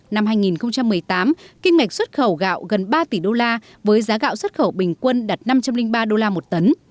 năm hai nghìn một mươi tám kinh mạch xuất khẩu gạo gần ba tỷ đô la với giá gạo xuất khẩu bình quân đạt năm trăm linh ba đô la một tấn